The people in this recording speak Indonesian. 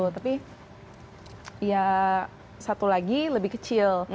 tapi ya satu lagi lebih kecil